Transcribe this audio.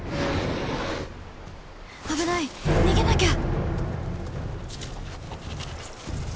「危ない逃げなきゃ！」。